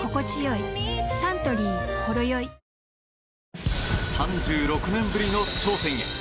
サントリー「ほろよい」３６年ぶりの頂点へ。